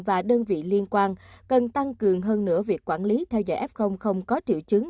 và đơn vị liên quan cần tăng cường hơn nữa việc quản lý theo dõi f không có triệu chứng